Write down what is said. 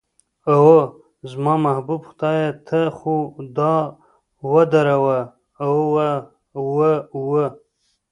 اوه، زما محبوب خدایه ته خو دا ودروه، اوه اوه اوه.